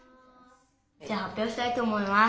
じゃあ発表したいと思います。